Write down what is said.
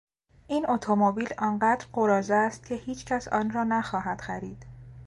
این اتومبیل آنقدر قراضه است که هیچکس آن را نخواهد خرید.